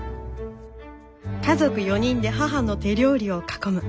家族４人で母の手料理を囲む。